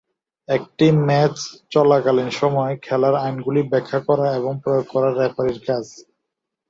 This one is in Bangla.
একটি ম্যাচ চলাকালীন সময়ে খেলার আইনগুলি ব্যাখ্যা করা এবং প্রয়োগ করা রেফারির কাজ।